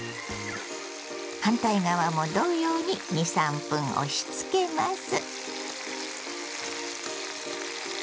反対側も同様に２３分押しつけます。